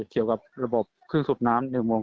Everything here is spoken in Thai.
เกี่ยวกับระบบเครื่องสูบน้ำ๑โมง